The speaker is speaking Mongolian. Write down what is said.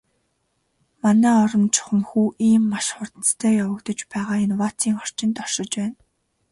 Манай орон чухамхүү ийм маш хурдацтай явагдаж байгаа инновацийн орчинд оршиж байна.